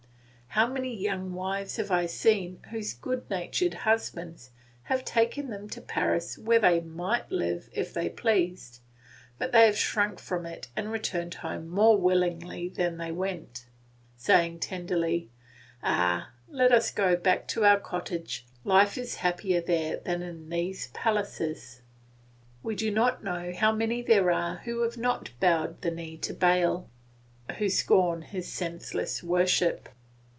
How many young wives have I seen whose good natured husbands have taken them to Paris where they might live if they pleased; but they have shrunk from it and returned home more willingly than they went, saying tenderly, "Ah, let us go back to our cottage, life is happier there than in these palaces." We do not know how many there are who have not bowed the knee to Baal, who scorn his senseless worship.